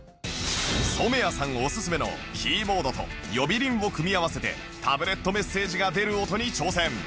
染谷さんおすすめのキーボードと呼び鈴を組み合わせてタブレットメッセージが出る音に挑戦